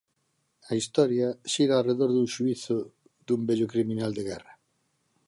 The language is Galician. A historia xira arredor do xuízo dun vello criminal de guerra.